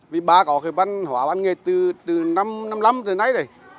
vì bà có cái văn hóa văn nghệ từ năm năm năm từ nãy đây